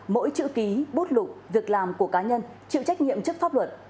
mỗi chữ ký bút lục việc làm của cá nhân chịu trách nhiệm trước pháp luật